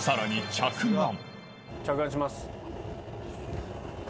着岸します。